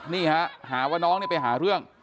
นี่ฮะหาว่าน้องไปหาเรื่อง